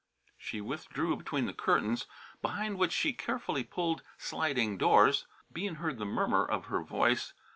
She withdrew between the curtains, behind which she carefully pulled sliding doors. Bean heard the murmur of her voice.